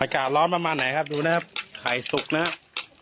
อากาศร้อนประมาณไหนครับดูนะครับไข่สุกนะครับ